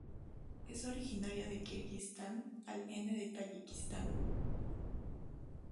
Es originaria de Kirguistán al N. de Tayikistán.